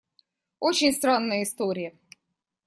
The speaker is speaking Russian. Очень странная история.